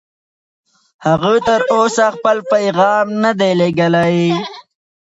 هغه تر اوسه خپل پیغام نه دی لېږلی.